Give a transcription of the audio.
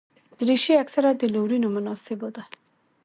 دریشي اکثره د لورینو مناسبو ده.